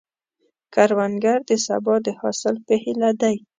کروندګر د سبا د حاصل په هیله دی